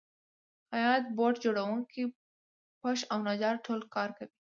خیاط، بوټ جوړونکی، پښ او نجار ټول کار کوي